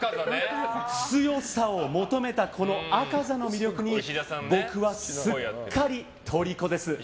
強さを求めたこの猗窩座の魅力に僕はすっかりとりこです。